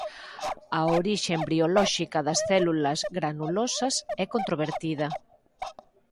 A orixe embriolóxica das células granulosas é controvertida.